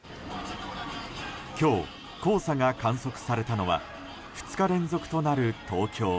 今日、黄砂が観測されたのは２日連続となる東京。